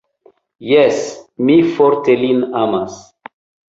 Jes, mi forte lin amis.